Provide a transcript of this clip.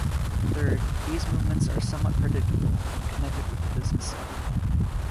Third, these movements are somewhat predictable, and connected with the business cycle.